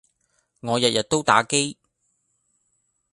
我日日都打機